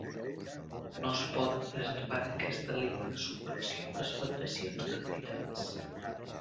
No es poden presentar en aquesta línia de subvenció les federacions d'entitats.